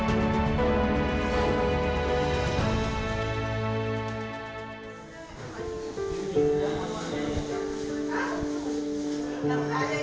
kami berharap kita bisa memaksimalkan anak kita